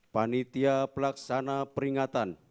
panitia pelaksana peringatan